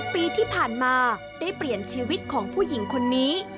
ปีที่ผ่านมาได้เปลี่ยนชีวิตของผู้หญิงคนนี้